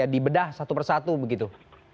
dibedah satu persatu